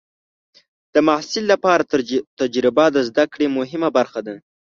د محصل لپاره تجربه د زده کړې مهمه برخه ده.